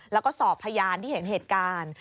แล้วก็สอบพยานที่เห็นเหตุการณ์